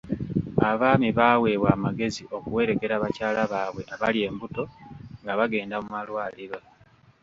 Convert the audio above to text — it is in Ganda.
Abaami baaweebwa amagezi okuwerekera bakyala baabwe abali embuto nga bagenda mu malwaliro.